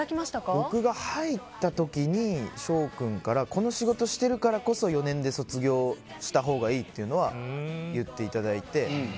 僕が入った時に、翔君からこの仕事してるからこそ４年で卒業したほうがいいって言っていただいていて。